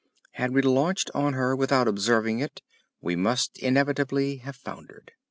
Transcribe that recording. Had we launched out in her without observing it we must inevitably have foundered.